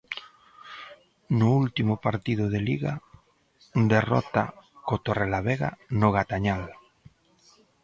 No último partido de Liga, derrota co Torrelavega no Gatañal.